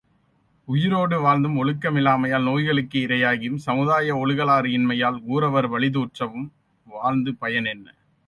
உயிரோடு வாழ்ந்தும் ஒழுக்கமிலாமையால் நோய்களுக்கு இரையாகியும், சமுதாய ஒழுகலாறு இன்மையால் ஊரவர் பழி துற்றவும் வாழ்ந்து பயன் என்ன?